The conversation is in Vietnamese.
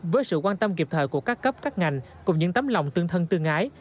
với sự quan tâm kịp thời của các cấp các ngành cùng những tấm lòng tương thân tương ái